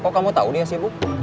kok kamu tau dia sibuk